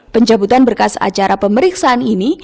pencabutan berkas acara pemeriksaan ini